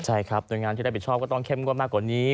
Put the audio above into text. ใช่ครับหน่วยงานที่รับผิดชอบก็ต้องเข้มงวดมากกว่านี้